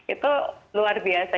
itu luar biasa